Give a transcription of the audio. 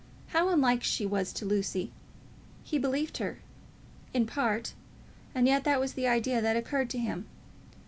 How unlike she was to Lucy! He believed her, in part; and yet that was the idea that occurred to him.